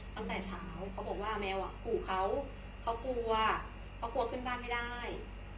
ตั้งแต่เช้าเขาบอกว่าแมวอ่ะขู่เขาเขากลัวเขากลัวขึ้นบ้านไม่ได้